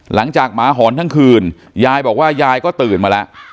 หมาหอนทั้งคืนยายบอกว่ายายก็ตื่นมาแล้ว